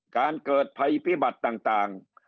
การเกิดภัยพิบัติต่าง